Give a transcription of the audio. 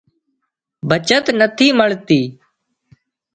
بچت نٿِي مۯتي